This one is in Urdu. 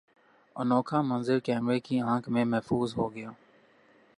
انوکھا منظر کیمرے کی آنکھ میں محفوظ ہوگیا